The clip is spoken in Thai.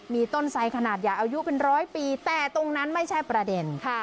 มีต้นไสขนาดใหญ่อายุเป็นร้อยปีแต่ตรงนั้นไม่ใช่ประเด็น